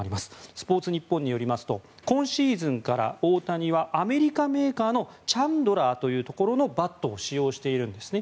スポーツニッポンによりますと今シーズンから大谷はアメリカメーカーのチャンドラーというところのバットを使用しているんですね。